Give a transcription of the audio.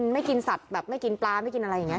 ไม่กินสัตว์แบบไม่กินปลาไม่กินอะไรอย่างนี้